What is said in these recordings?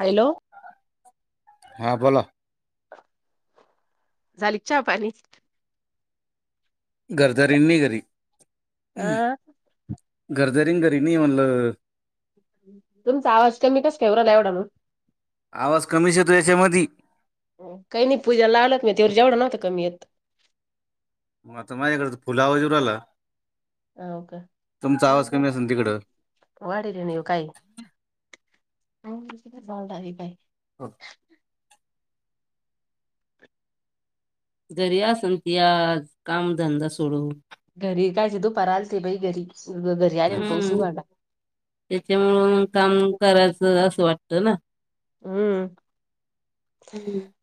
Hello ह बला झाली चहा पाणी घरदरीनी घरीर अ जरींगरी नाही म्हणलं तुमचा आवाजत मी कस केवराला एवडा म आवाज कमीचेतो याच्यामध्ये काही नाही पूजाला आलंत नाही तेवढ जेवढं नव्हतं कमी येत मग आता माझ्याकत फुलावाजूरला ह ओक तिकडं वाडीरो काय झालड पा हा घरी अस त आज कामधंदा सोडू घरी काय सि तू परलते भाई घरी घरी आले ना पाऊस हम्म उघडला त्याच्यामुळून काम करायचं असं वाटतं ना हम्म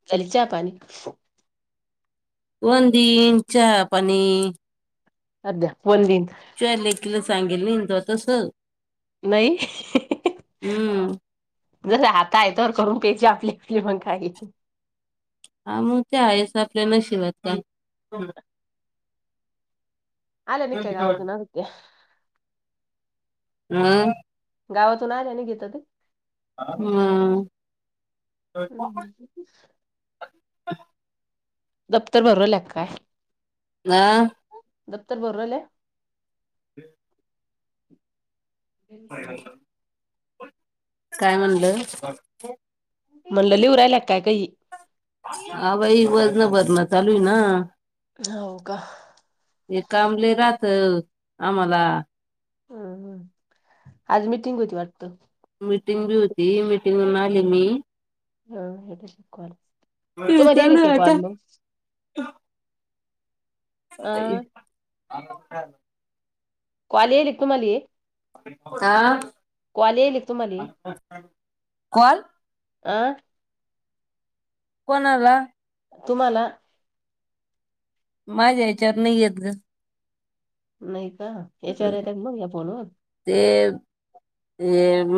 चलचा पानी कोंदच्या प अध्या वंदन त सांगेल नाही त तस नाही हम्म जस आता आहे तर करून प्यायजे आपली आपली मग काही हा मग ते आहेस आपल्या न शिवटचा आले निकै आतूनगत हम गावातून आले ना घेत ते हम्म हम् ह दफ्तर भरवला काय आह दफ्तर बररले हम बन ना काय म्हणलं म्हणलंली उरायला लागत हा भई वजनभदन चालू आहे ना हो का हे काबले राहत आम्हाला हम हम् आज मिीटिंग होती वाटत मिीटिंग बी होती मिीटिंग मून आली मी हा हे कण तुम्हा हे चालू नक आहे कॉण आता मग अ [inaudible] कवाल येल एक तुम्हाला ये कॉल येईल तुम्हाला अ कोण आं कोणाला तुम्हाला माझ्या याच्यावर नाही येत ग नाही का याच्यावर येत मग या फोनवर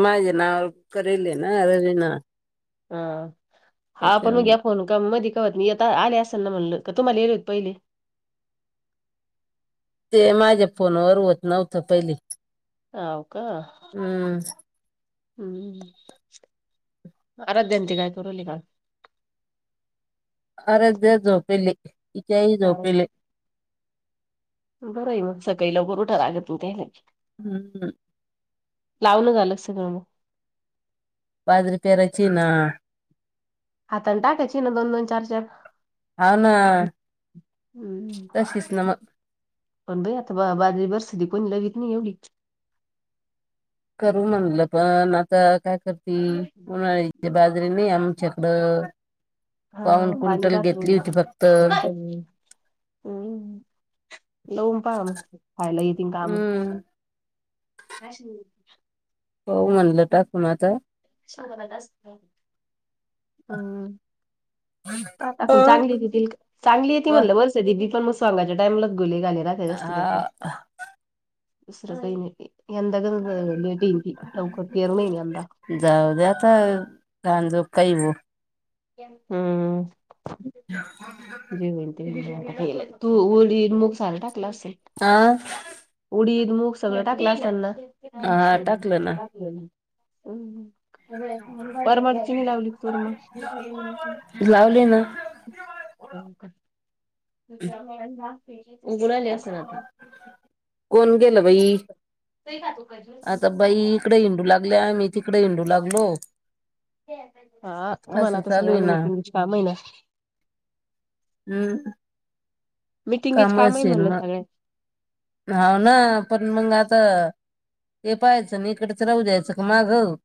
माझे नाव करेल आहे ना रवीना ह हा आपण मग घ्या त्याच्यामुळे फोन का म वत मी आता आले असेल ना म्हणल तुम्हाला येल होत पहिले ते माझ्या फोनवर होत नव्हतं पहिली हो का हम्म आराध्य्यांत काय तोरली का [inaudible] आराध्य्या झोपेले इथ्याही झोपेले बरं आहे मग सकाळीला गरू ठर आलं तू त्याला हम्म हम् लावलं झालं सगळ मग बादरी पराच ना आताण टाका चचीन दोन दोन चार चार होाव ना हम्म तशीच ना मग पण बाई आता बा बाजारी बरसध कोणी लगित नाही एवढीच करू म्हणलं पण आता काय करतील उन्हाळी बाजरीे आम कडं हा आध राात म हम् लवन प म खायला ये त काम हम्म हश हो म्हणलं टाकूनता हम्म प आपण चांगली अ येतील चांगली य ते म्हणलं वर्षी पण म सांगाच्या टाइमला गुली घाली रा जास्तकी हा दुसरं काही नाही यंदा का लेट ये लवकर येरून येई यंदा जाऊद्या आता कान जो काही हो हम्म ह जे वयी ते वयी तू उडी मुंगसाले टाक आ उडीद मूग सगळं टाकलं असताना हा टाकलं ना परमडचीनी लावली तुर मग लावले ना त उगु ल अस आता कोण गेलं वई आता बाई इकडे हिंडू लागल्या मी तिकडे हिंडू लागलो हा तुम्हाला असं आता चालू आहे सगळ्यांनी ना मिीटिंगच काम आहे ना हम्म मिीटिंगेच काम आहे म्हणलं मग सगळ्या ह ना पण मग आ हे पाहायचं ना इकडच राहू दयचं क मागं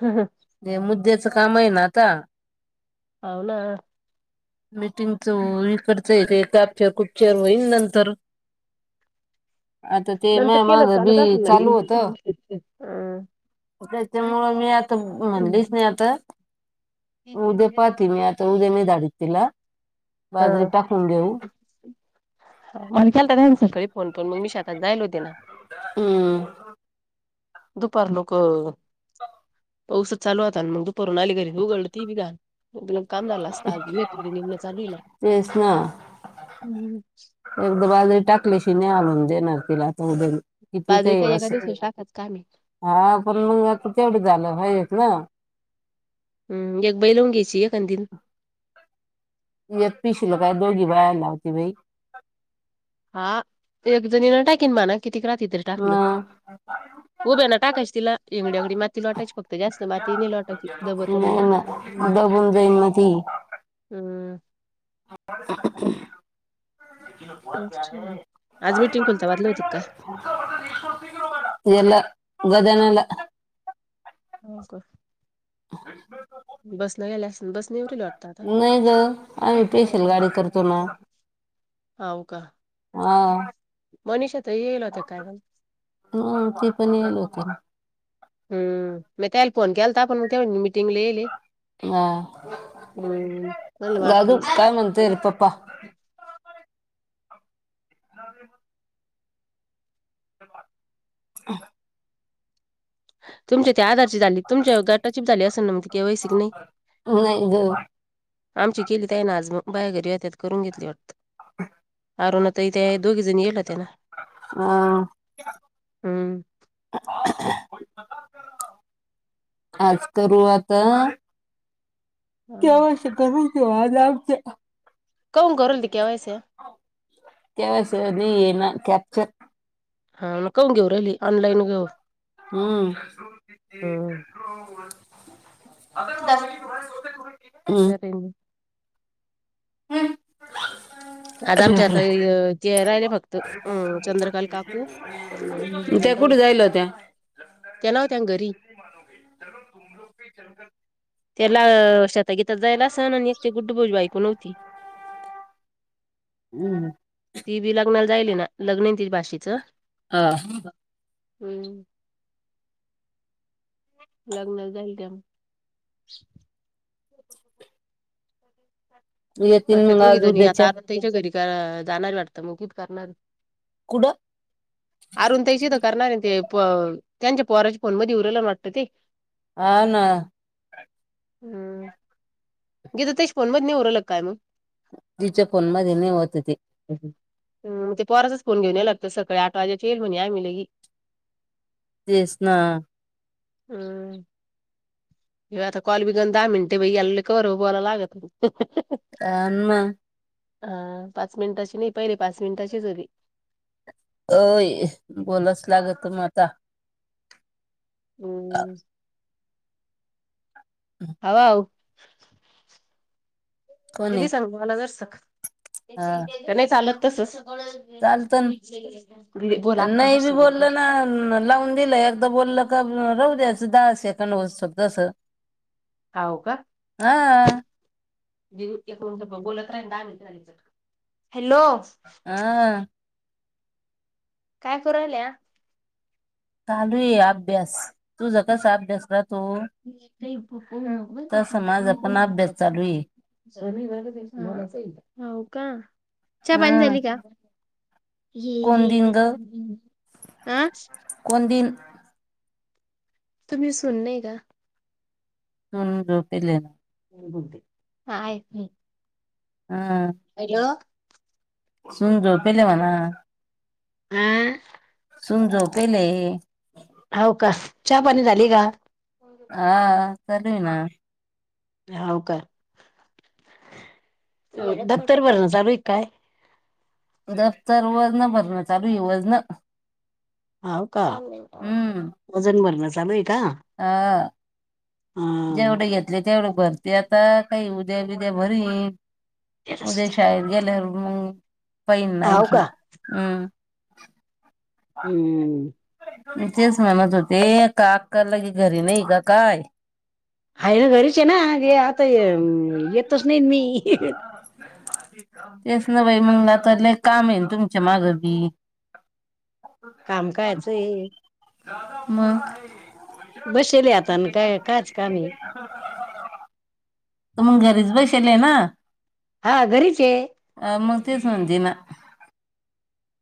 हम ह काम आहे ना आता अवना मीटिंगचं इकडचं अपचर खुपचर होईल नंतर आता ते नंतर माझ्या माग भी चालू होत हं त्याच्यामुं मी आता म्हणलीच हम्म. नाही आता उद्या पाहते मी आता उद्या नाही धाडीत तिला बाजरी टाकून घेऊ हा मतनसल कर फोन पण मग मी शेतात जायल होते ना हम्म दुपार लोक पाऊस चालू होता मगु परून आली घरी उघड ती बीघा काम झालं असत आज मेम चालू ला तेच ना हम्म टाकलेशि नाही आलून जाेणारतीलला ते किती बाजरी काय एका असं दिवसाची टाकायचं काम आहे. हा पण मंग आता तेवढी झालं भाय ह हम् जग बई लावून घ्यायची ए कंदन य पिशी ल काय दोघी बाहे लावती भाई हा एक जणी ना टाककीन मा ना कि रात तरी टाकलं मग उभ्या ना टाकायच तिला एंगड अगडी मात तला अटायच प जास्त मातीने लोटाची दबवत नाही ना दबून जाईन हम् ल आज मीटिंग खुलताबादला होती का ग यला ध्यान हो का बस न गेल्या अस बस नाही ग आम्ही स्पेशल गाडी करतो ना होव का हा मनिषाताई येईल होता काय ह ते पण लोक हम् म त्या फोन केलता आपण मीटिंग लले ह म्हणलं अ मग दादू काय अक्काला म्हणतेरपपा [inaudible] तुमचे ते आधारची झाली तुमचे गटाची भी झाली असेन ना मग के वाय सी की नही नाही ग आमची केली त हेना आज मग बाया घरी येत्यात करून घेतली वाटतं [inaudible] होना ताई ते दोघी झणी येल व्हत्या ना हं हम्म [inaudible] आज करु आता हा केव्हाशे कमी क आज लावते कऊ करल ते केवायस्या तेव्हास नहीं हेना कॅपचर हा मग काऊन घेऊ रहिली ऑनलाईन घेऊ हम्म हम्म. [inaudible] [inaudible] [inaudible] [inaudible] आज अरे आमच्या तर बापरे. य ते राहिले फक्त हम् चंद्रकाल काकू त्या कुठे अन् [unintelligible] जायला होत्या. त्या नव्हत्या न घरी तेला वर्षा ताई घेत त जायल आसन आणि एक ते गुड्डू भाऊ ची बायको नव्हती. [inaudible] ती बी लग्नाला जाईली ना लग्न हे न तीच् भाशीेचं अ हम्म लग्नाला जाईल त्या म येतील त्या मग दोघी आज जणी आता उद्याच्या आत्यांच्या घरी क जाणारये वाटतं मग तिथ करणारये. कुठं आरुण त्याची तर करणार हेन ते पण त्यांच्या पोराचा फोन मध्ये येऊ रायला ना वाटतं ते ह ना हम्म गीता ताईच्या फोन मधी नय होऊ रायल काय मंग तिच्या फोन मध्ये नय होत ते हम्म ते पोराचा च फोन घेऊन याल लागतं सकाळी आठ वाज्याची [unintelligible] म्हणे आम्ही लई तेस ना हम्म हे आता कॉल भी गन दहा मिंट बई याल कवर बोला लागत. आन म हा पाच मिनिटाची नही पहिले पाच मिनिटाचीच होती. ओय बोलच लागतं म आता. हो. हव हवं कोणी दिदी सांग मला जर सक हा त्यां नय चालत तस चालत [inaudible] बोला अक्कल नाही बी दर्शन बोललं ना लावून दिलं एकदा बोलल का राहु ते अस दहा सेकंड होसतवर कस हाव हा दीदी एक मिनिट पण बोलत रहाय अन दहा मिंट झाली कट कर. आहा काय करु रहायल्या? चालू ये अभ्यास तू ज कस अभ्यास रा तो. रेपो. आचा समाज आपण अभ्यास चालू आहे. हो का चहा पाणी हं झाली का? ये कोण दिन येल स ग अ. कोण दिन तुम्ही सुनणे का? [unintelligible] बोलते हा येते. हम सुून रो पेल हम्म सून झोपले. हो का चहा पानी झाली का? हा केल ना. [unintelligible] काय? दफ्तर वज न भर चाू येवज न. हाव का वजन भरण चालय. हा. जेवढे घेतले तेवढे भरते आता काही उद्या बद्या भरी उद्या शाळेत गेल्यावर मग पहिन नाही हाव कि का हम्. [unintelligible] हम्म म तेच म्हणत होते काकाला की घरी नाही का काय? हाय घरीच आहे नाे आता येतच नाही मी. [unintelligible] तेच न बाई मंगला तर ल काम येन तुमच्या माग बी. काम कयचंय. मग. बसेल आता काय कायच काम ये. तुमग घरीच बसेल ना. हा घरीच आहे. न मग तेच म्हणते ना.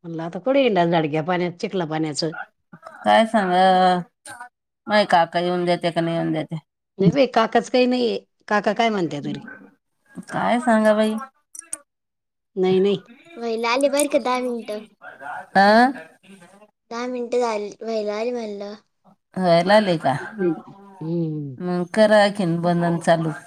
मला तर कोडी इंडा सड ग्या प च. काय सांग नाही काका येऊन देते का नाही येऊन देते. काकाच काही नाहीये. काका काय म्हणत्या तरी काय सांगा बाई. नाही नाही वईला आले बर का दहा मिनिटं. आं. दहा मिनिटं झाली व्हाला आली म्हणलं. हय लालेय का हम्म मग कराखिन बंधन की चालू.